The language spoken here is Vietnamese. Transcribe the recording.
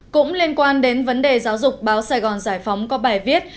cũng liên quan đến vấn đề giáo dục báo sài gòn giải phóng có bài viết